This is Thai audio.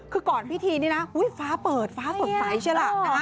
คือก่อนพิธีนี้นะฟ้าเปิดฟ้าสดใสใช่ล่ะ